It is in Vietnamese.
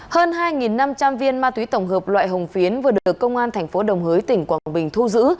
hơn hai năm trăm linh viên ma túy tổng hợp loại hồng phiến vừa được công an thành phố đồng hới tỉnh quảng bình thu giữ